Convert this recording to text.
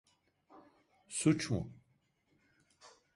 Suç mu?